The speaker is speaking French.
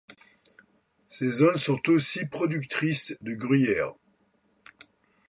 Ces zones sont aussi productrices de gruyère.